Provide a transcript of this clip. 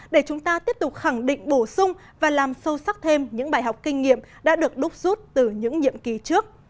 để chúng ta tiếp tục khẳng định bổ sung và làm sâu sắc thêm những bài học kinh nghiệm đã được đúc rút từ những nhiệm kỳ trước